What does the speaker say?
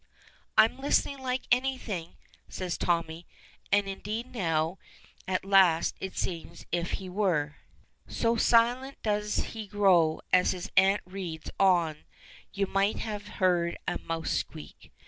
"I'm listening like anything," says Tommy. And, indeed, now at last it seems as if he were. So silent does he grow as his aunt reads on that you might have heard a mouse squeak.